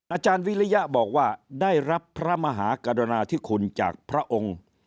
อาจารย์วิริยะบอกว่าได้รับพระมหากรณาธิคุณจากพระองค์